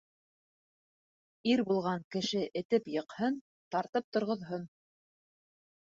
Ир булған кеше этеп йыҡһын, тартып торғоҙһон.